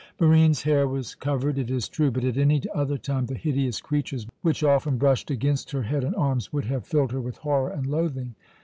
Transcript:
Barine's hair was covered, it is true, but at any other time the hideous creatures, which often brushed against her head and arms, would have filled her with horror and loathing.